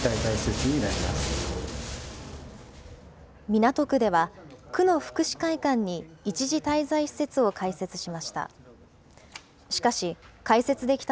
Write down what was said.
港区では区の福祉会館に一時滞在施設を開設しました。